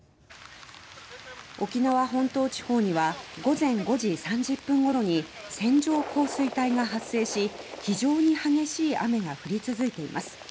沖縄本島地方には午前５時３０分頃に線状降水帯が発生し非常に激しい雨が降り続いています。